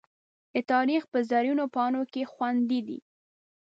د تاریخ په زرینو پاڼو کې خوندي دي.